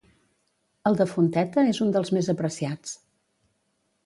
El de Fonteta és un dels més apreciats.